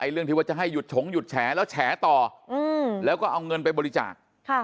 เรื่องที่ว่าจะให้หยุดฉงหยุดแฉแล้วแฉต่อแล้วก็เอาเงินไปบริจาค